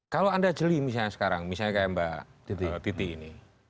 kalau anda jeli misalnya sekarang misalnya kayak mbak titi ini